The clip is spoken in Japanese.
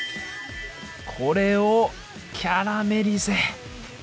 これをキャラメリゼ！